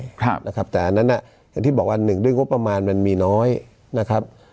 ครับนะครับแต่อันนั้นอ่ะเหมือนที่บอกว่าอันหนึ่งเรื่องว่าประมาณมันมีน้อยนะครับ